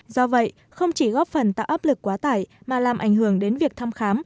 do vậy không chỉ góp phần tạo áp lực quá tải mà làm ảnh hưởng đến việc thăm khám